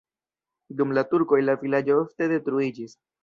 Dum la turkoj la vilaĝo ofte detruiĝis.